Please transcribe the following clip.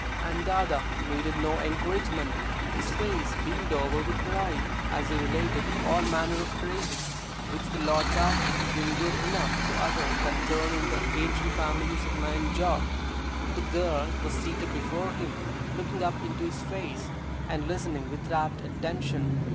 And Dada needed no encouragement. His face beamed over with pride as he related all manner of praises, which the Lard Sahib had been good enough to utter concerning the ancient families of Nayanjore. The girl was seated before him, looking up into his face, and listening with rapt attention.